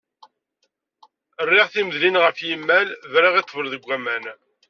Rriɣ timedlin ɣef yimal, briɣ i ṭṭbel deg uman.